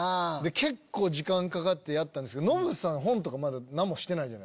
結構時間かかってやったんですけどノブさん本とかまだ何もしてないじゃないですか。